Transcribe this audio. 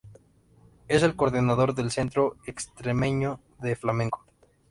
Es el coordinador del Centro Extremeño de Flamenco.